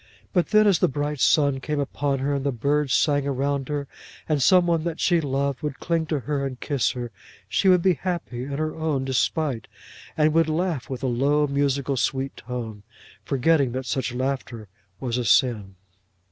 But then as the bright sun came upon her, and the birds sang around her, and some one that she loved would cling to her and kiss her, she would be happy in her own despite, and would laugh with a low musical sweet tone, forgetting that such laughter was a sin.